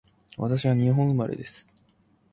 私は日本生まれです